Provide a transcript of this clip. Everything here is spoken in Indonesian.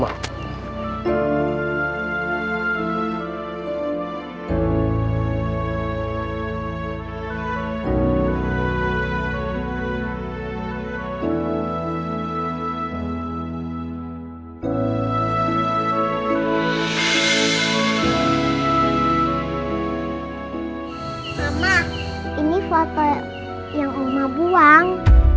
mama ini foto yang oma buang